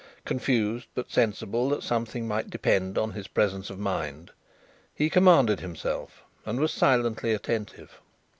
Confused, but sensible that something might depend on his presence of mind, he commanded himself, and was silently attentive.